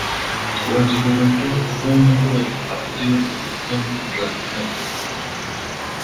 Durante su juventud fue miembro del Partido Republicano Radical.